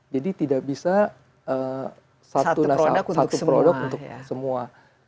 jadi tidak bisa satu produk untuk semua